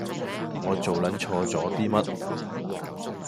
我做撚錯咗啲乜